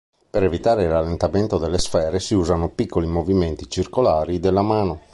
Per evitare il rallentamento delle sfere si usano piccoli movimenti circolari della mano.